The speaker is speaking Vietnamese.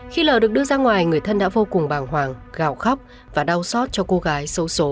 khi l được đưa ra ngoài người thân đã vô cùng bàng hoàng gào khóc và đau xót cho cô gái